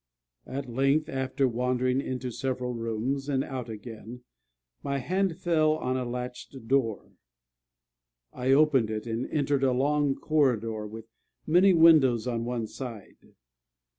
At length, after wandering into several rooms and out again, my hand fell on a latched door. I opened it, and entered a long corridor, with many windows on one side.